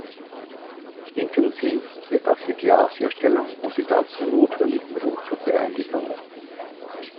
Intensiv wird auf die Glasherstellung und die dazu notwendigen Rohstoffe eingegangen.